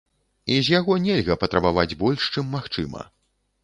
І з яго нельга патрабаваць больш, чым магчыма.